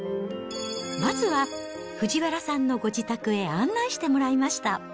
まずは、藤原さんのご自宅へ案内してもらいました。